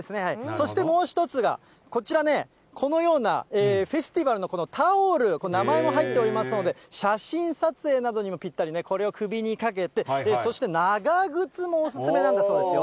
そしてもう１つが、こちらね、このようなフェスティバルのタオル、名前も入っておりますので、写真撮影などにもぴったり、これを首にかけて、そして、長靴もお勧めなんだそうですよ。